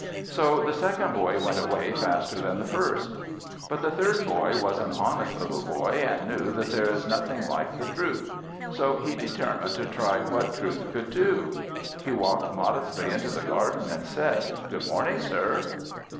So the second boy went away faster than the first. But the third boy was an honest little boy, and knew that there is nothing like the truth; so he determined to try what truth could do. He walked modestly into the garden and said: "Good morning, sir!"